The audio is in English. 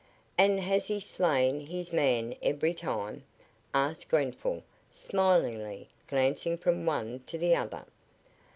"And has he slain his man every time?" asked Grenfall, smilingly, glancing from one to the other.